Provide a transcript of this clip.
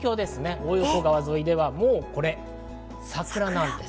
大横川沿いでは、もうこれ、桜なんです。